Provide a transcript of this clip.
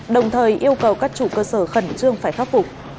đồng thời yêu cầu các chủ cơ sở khẩn trương phải khắc phục